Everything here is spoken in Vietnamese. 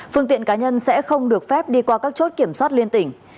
phương tiện cá nhân sẽ không được phép đi qua các chốt kiểm soát liên tỉnh